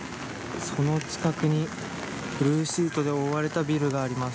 その近くにブルーシートで覆われたビルがあります。